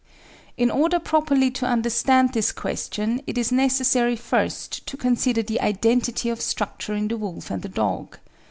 In order properly to understand this question it is necessary first to consider the identity of structure in the wolf and the dog.